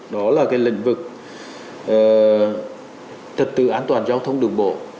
đó là lĩnh vực thực tự an toàn giao thông đường bộ